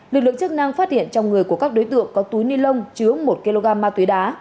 lực lượng chức năng phát hiện trong người của các đối tượng có túi ni lông chứa một kg ma túy đá